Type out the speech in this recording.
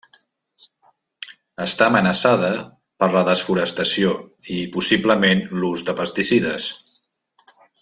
Està amenaçada per la desforestació i, possiblement, l'ús de pesticides.